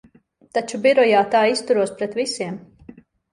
Taču birojā tā izturos pret visiem.